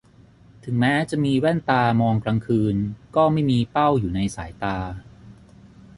ถึงแม้จะมีแว่นตามองกลางคืนก็ไม่มีเป้าอยู่ในสายตา